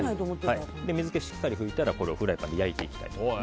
水気をしっかり拭いたらこれをフライパンで焼いていきます。